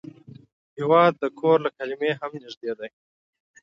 هېواد د کور له کلمې هم نږدې دی.